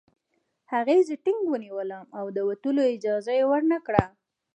هغې زه ټینګ ونیولم او د وتلو اجازه یې ورنکړه